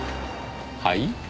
はい？